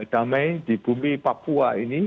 damai di bumi papua ini